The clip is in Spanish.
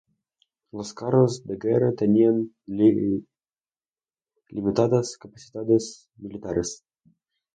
Los carros de guerra tenían limitadas capacidades militares.